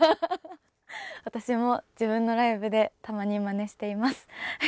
私も自分のライブでたまにマネしています。